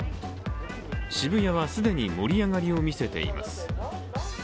渋谷は既に盛り上がりを見せています。